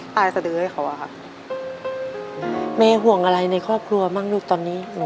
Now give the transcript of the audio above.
ตายศทึวให้เขาค่ะมีห่วงอะไรในครอบครัวมั่งลูกตอนนี้หรือ